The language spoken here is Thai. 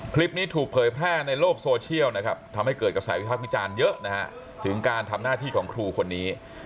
คลิปนี้ถูกเผยแพร่ในโลกโซเชียลนะครับทำให้เกิดกระแสวิภาพวิจารณ์เยอะนะฮะถึงการทำหน้าที่ของครูคนนี้